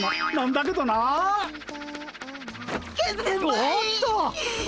おっと。